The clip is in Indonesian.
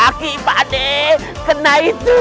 kaki pak d kena itu